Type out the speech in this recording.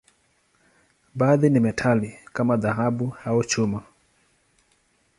Baadhi ni metali, kama dhahabu au chuma.